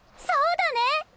そうだね！